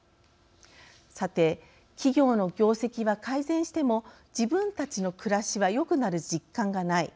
さて企業の業績は改善しても自分たちの暮らしはよくなる実感がない。